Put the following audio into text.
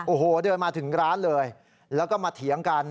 โอ้โหเดินมาถึงร้านเลยแล้วก็มาเถียงกัน